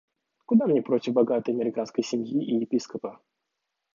Куда мне против богатой американской семьи и епископа.